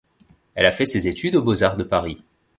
Elle a fait ses études aux Beaux-Arts de Paris.